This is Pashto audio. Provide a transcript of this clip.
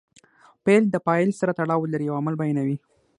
فعل د فاعل سره تړاو لري او عمل بیانوي.